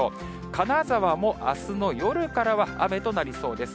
金沢もあすの夜からは雨となりそうです。